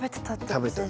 食べてた。